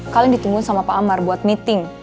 kalian ditunggu sama pak amar buat meeting